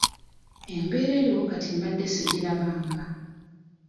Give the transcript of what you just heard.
Embeera eriwo kati mbadde sigiraba nga.